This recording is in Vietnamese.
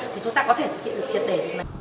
thì chúng ta có thể thực hiện được triệt đề